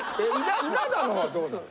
稲田の方はどうなの？